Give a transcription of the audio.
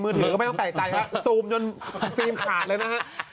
มือหนึ่งก็ไม่ต้องใกล้ซูมจนคลี่มขาดเลยนะฮะ